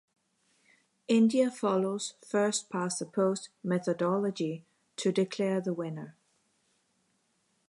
India follows first past the post methodology to declare the winner.